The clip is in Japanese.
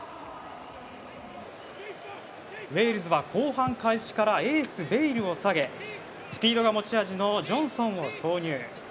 ウェールズは後半開始からエース、ベイルを下げスピードが持ち味のジョンソンを投入。